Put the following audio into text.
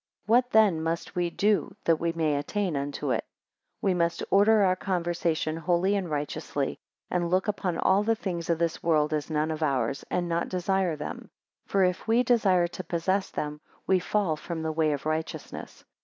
4 What then must we do that we may attain unto it? We must order our conversation, holy and righteously, and look upon all the things of this world as none of ours, and not desire them. For, if we desire to possess them we fall from the way of righteousness.